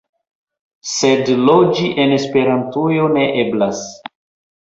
Sed loĝi en Esperantujo ne eblas.